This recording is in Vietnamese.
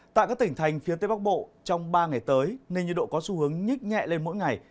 tại các tỉnh thành phía tây bắc bộ trong ba ngày tới nên nhiệt độ có xu hướng nhích nhẹ lên mỗi ngày